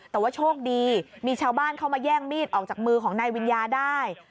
แต่ว่าโชคดีมีชาวบ้านเข้ามาแย่งมีดออกจากมือของนายวิญญาได้